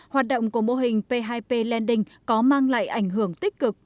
hoạt động của mô hình p hai p lending có mang lại ảnh hưởng tích cực